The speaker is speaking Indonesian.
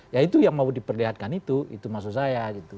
ya itu yang mau diperlihatkan itu itu maksud saya gitu